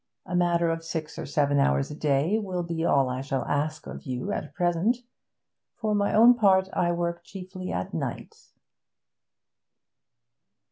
A matter of six or seven hours a day will be all I shall ask of you at present. For my own part, I work chiefly at night.'